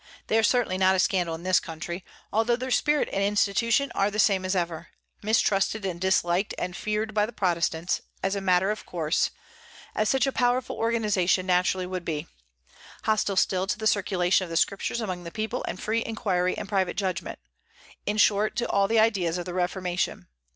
They are certainly not a scandal in this country, although their spirit and institution are the same as ever: mistrusted and disliked and feared by the Protestants, as a matter of course, as such a powerful organization naturally would be; hostile still to the circulation of the Scriptures among the people and free inquiry and private judgment, in short, to all the ideas of the Reformation.